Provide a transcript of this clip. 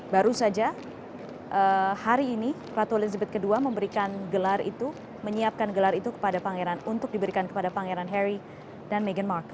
baru saja hari ini ratu elizabeth ii memberikan gelar itu menyiapkan gelar itu kepada pangeran untuk diberikan kepada pangeran harry dan meghan markle